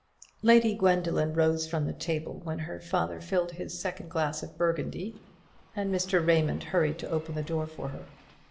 Lady Gwendoline rose from the table when her father filled his second glass of Burgundy, and Mr. Raymond hurried to open the door for her.